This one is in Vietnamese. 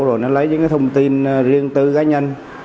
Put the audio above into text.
rồi nó lấy những cái thông tin riêng tư cá nhân